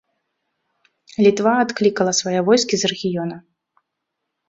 Літва адклікала свае войскі з рэгіёна.